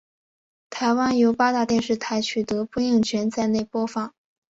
台湾由八大电视台取得播映权在内播放。